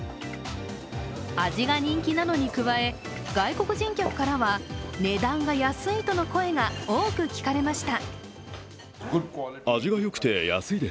味が人気なのに加え、外国人客からは値段が安いとの声が多く聞かれました。